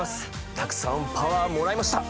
たくさんパワーもらいました。